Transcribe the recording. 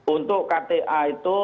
untuk kta itu